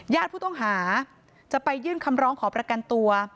ผู้ต้องหาจะไปยื่นคำร้องขอประกันตัว